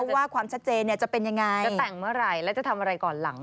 ว่าความชัดเจนเนี่ยจะเป็นอย่างไร